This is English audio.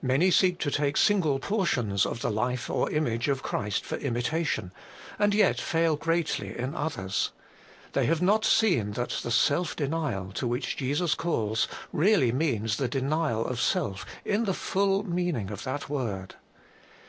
Many seek to take single portions of the life or image of Christ for imitation, and yet fail greatly in others. They have not seen 170 HOLY IN CHRIST. that the self denial, to which Jesus calls, really means the denial of self, in the full meaning of that word.